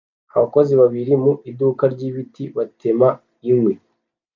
Abakozi babiri mu iduka ryibiti batema inkwi